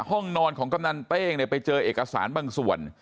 ห้องนอนของกำนันเป้งเนี่ยไปเจอเอกสารบางส่วน